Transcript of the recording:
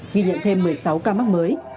ghi nhận thêm một mươi sáu ca mắc mới